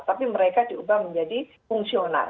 tapi mereka diubah menjadi fungsional